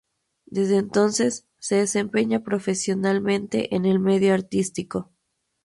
Desde entonces se desempeña profesionalmente en el medio artístico.